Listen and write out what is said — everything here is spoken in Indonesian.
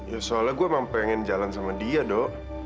ya soalnya gue emang pengen jalan sama dia dok